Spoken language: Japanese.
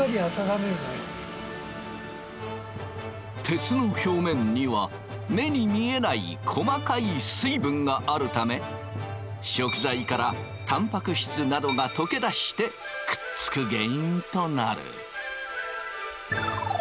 鉄の表面には目に見えない細かい水分があるため食材からタンパク質などが溶け出してくっつく原因となる。